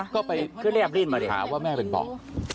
ก็ไปขาว่าแม่เป็นปลอก